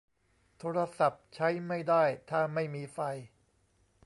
โทรศัพท์ใช้ไม่ได้ถ้าไม่มีไฟ